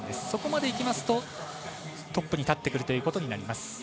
そこまでいきますとトップに立ってくるということになります。